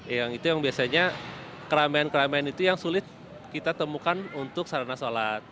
yang itu yang biasanya keramaian keramaian itu yang sulit kita temukan untuk sarana sholat